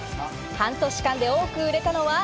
半年間で多く売れたのは？